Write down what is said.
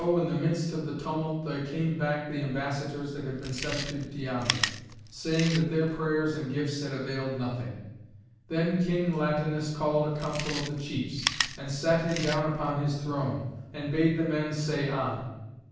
in the midst of the tumult there came back the ambassadors that had been sent to Diomed, saying that their prayers and gifts had availed nothing. Then King Latinus called a council of the chiefs, and sat him down upon his throne, and bade the men say on.